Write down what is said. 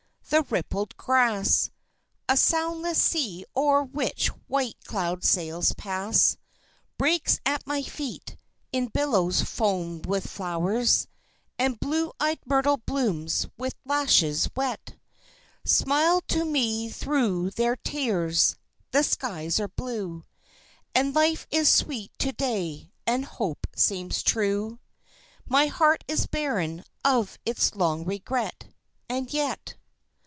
The rippled grass, A soundless sea o'er which white cloud sails pass, Breaks at my feet in billows foamed with flowers; And blue eyed myrtle blooms with lashes wet Smile to me thro' their tears. The skies are blue, And life is sweet to day and hope seems true; My heart is barren of its long regret And yet...